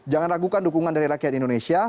jangan ragukan dukungan dari rakyat indonesia